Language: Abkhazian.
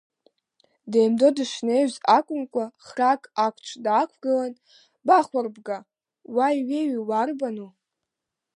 Демдо дышнеуаз акәымкәа, храк ақәцә даақәгылан Бахәырбга, уа иҩеиуа уарбану?